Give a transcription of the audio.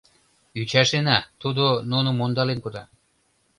— Ӱчашена, тудо нуным ондален кода!